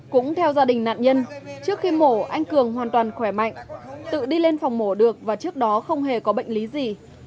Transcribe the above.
cũng theo gia đình nạn nhân trước khi mổ anh cường hoàn toàn khỏe mạnh tự đi lên phòng mổ được và trước đó không hề có bệnh lý gì